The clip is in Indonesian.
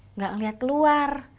nggak ngelihat luar